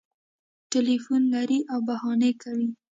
ټلیفون لري او بهانې کوي